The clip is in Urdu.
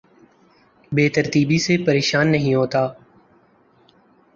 بے ترتیبی سے پریشان نہیں ہوتا